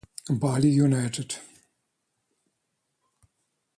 Bali United